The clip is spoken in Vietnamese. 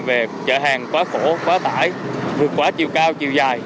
về chợ hàng quá khổ quá tải vượt quá chiều cao chiều dài